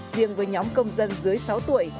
riêng với nhóm công dân dưới sáu tuổi